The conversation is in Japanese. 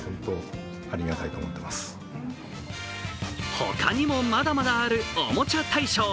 他にもまだまだあるおもちゃ大賞。